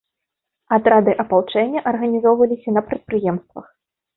Атрады апалчэння арганізоўваліся на прадпрыемствах.